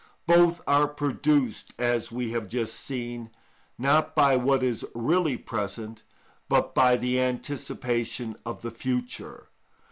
Both are produced, as we have just seen, not by what is really present, but by the anticipation of the future.